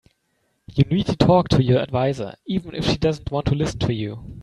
You need to talk to your adviser, even if she doesn't want to listen to you.